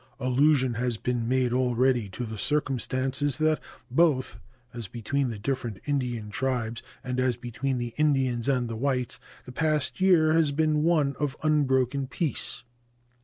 Allusion has been made already to the circumstance that, both as between the different Indian tribes and as between the Indians and the whites, the past year has been one of unbroken peace.